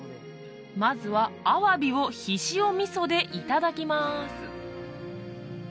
まずはアワビを醤味噌でいただきます